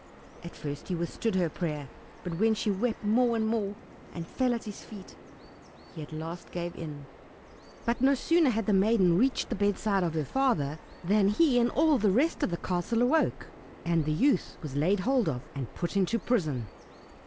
At first he withstood her prayer, but when she wept more and more, and fell at his feet, he at last gave in. But no sooner had the maiden reached the bedside of her father than he and all the rest in the castle awoke, and the youth was laid hold of and put into prison.